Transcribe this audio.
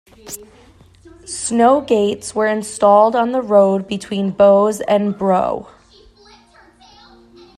Snow gates were installed on the road between Bowes and Brough.